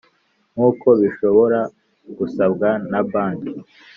Nk uko bishobora gusabwa na banki